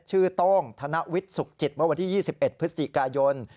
ชื่อโต้งธนวิทย์สุขจิตวันที่ยี่สิบเอ็ดพฤศจิกายน